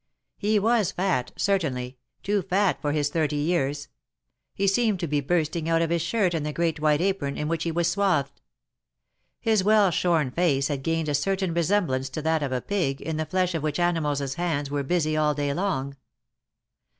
He was fat, certainly — too fat for his thirty years. He seemed to be bursting out of his shirt and the great white apron, in which he was swathed. His well shorn face had gained a certain resemblance to that of a pig, in the flesh of which animals his hands were busy all day long.